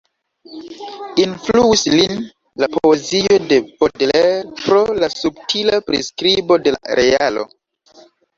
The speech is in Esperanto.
Influis lin la poezio de Baudelaire pro la subtila priskribo de la realo.